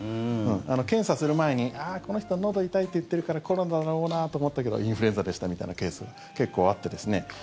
検査する前にこの人のど痛いって言ってるからコロナだろうなと思ったけどインフルエンザでしたみたいなケースが結構あってですね。